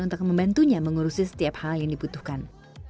untuk membantunya mengurusi setiap hal yang dibutuhkan